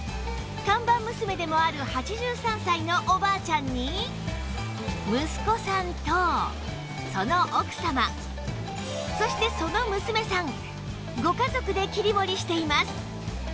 看板娘でもある８３歳のおばあちゃんに息子さんとその奥様そしてその娘さんご家族で切り盛りしています